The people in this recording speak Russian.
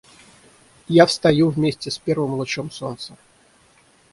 – Я встаю вместе с первым лучом солнца.